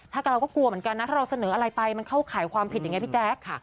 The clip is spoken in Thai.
ถ้าเราก็กลัวเหมือนกันนะถ้าเราเสนออะไรไปมันเข้าข่ายความผิดอย่างนี้พี่แจ๊ค